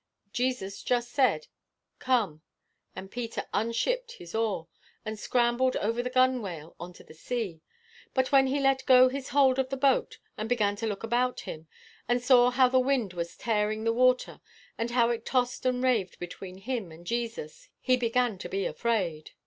Jesus just said, 'Come;' and Peter unshipped his oar, and scrambled over the gunwale on to the sea. But when he let go his hold of the boat, and began to look about him, and saw how the wind was tearing the water, and how it tossed and raved between him and Jesus, he began to be afraid.